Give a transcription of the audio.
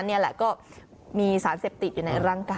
นี่แหละก็มีสารเสพติดอยู่ในร่างกาย